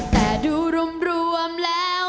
แต่ดูรวมแล้ว